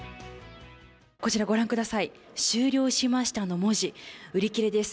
こちらご覧ください、終了しましたの文字、売り切れです。